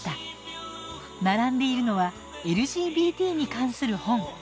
並んでいるのはＬＧＢＴに関する本。